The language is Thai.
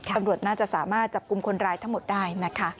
ตำรวจน่าจะสามารถจับกลุ่มคนร้ายทั้งหมดได้นะคะ